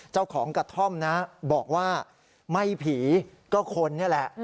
เจ้าของกระท่อมนะบอกว่าไม่ผีก็คนนี่แหละ